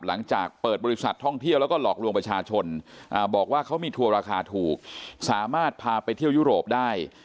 หลังจากเปิดบริษัทท่องเที่ยวแล้วก็หลอกลวงประชาชนบอกว่าเขามีทัวร์ราคาถูกสามารถพาไปเที่ยวยุโรปได้